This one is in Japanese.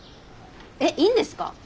えっいいんですか！？